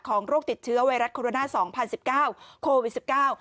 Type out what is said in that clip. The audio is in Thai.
โรคติดเชื้อไวรัสโคโรนาสองพันสิบเก้าโควิดสิบเก้า